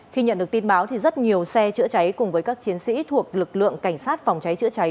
khi nhận được tin báo thì rất nhiều xe chữa cháy cùng với các chiến sĩ thuộc lực lượng cảnh sát phòng cháy chữa cháy